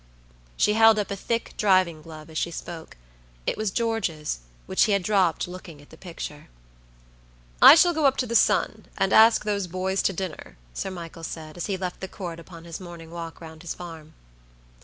"She held up a thick driving glove as she spoke. It was George's, which he had dropped looking at the picture. "I shall go up to the Sun, and ask those boys to dinner," Sir Michael said, as he left the Court upon his morning walk around his farm.